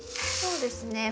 そうですね